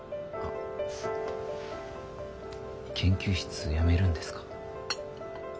研究室辞めるんですか？